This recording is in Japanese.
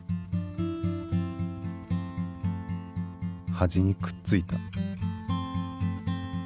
端にくっついた。